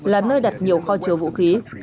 là nơi đặt nhiều kho chiều vũ khí